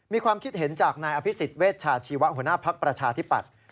มีความคิดเห็นจากนายอภิษฎเวชชาชีวะหัวหน้าภักดิ์ประชาธิปัตย์